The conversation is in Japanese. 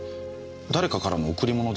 誰かからの贈り物ですか？